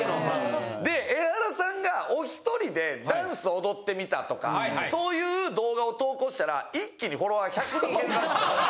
でエハラさんがお１人でダンスを踊ってみたとかそういう動画を投稿したら一気にフォロワー１００人減るらしい。